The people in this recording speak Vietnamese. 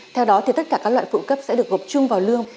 theo đó thì tất cả các loại phụ cấp sẽ được gọp chung vào lương